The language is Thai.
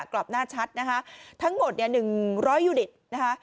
กลับหน้าชัดนะคะทั้งหมดเนี่ย๑๐๐ยูนิตนะคะ